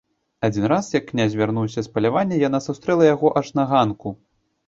Адзін раз, як князь вярнуўся з палявання, яна сустрэла яго аж на ганку.